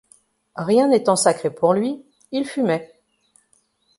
Rien n’étant sacré pour lui, il fumait.